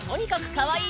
かわいい。